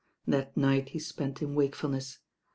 That night he spent in wakefulness.